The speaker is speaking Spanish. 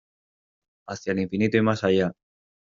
¡ Hacia el infinito y más allá!